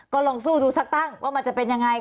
ก็ลองสู้ดูสักตั้งว่ามันจะเป็นยังไง